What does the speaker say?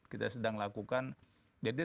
kita sedang lakukan jadi